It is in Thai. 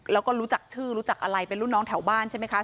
แล้วก็รู้จักชื่อรู้จักอะไรเป็นรุ่นน้องแถวบ้านใช่ไหมคะ